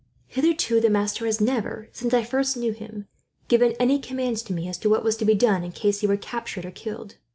"Hitherto the master has never, since I first knew him, given any commands to me, as to what was to be done in case he were captured or killed.